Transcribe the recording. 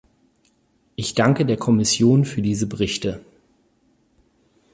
Ich danke der Kommission für diese Berichte.